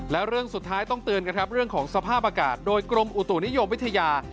และเรื่องสุดท้ายต้องเตือนกันครับเรื่องของสภาพอากาศโดยกรมอุตุนิยมวิทยา